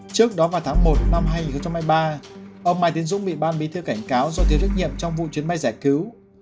trước đó vào tháng một năm hai nghìn hai mươi ba ông mai tiến dũng bị ban bí thư cảnh cáo do thiếu trách nhiệm trong vụ chuyến bay giải cứu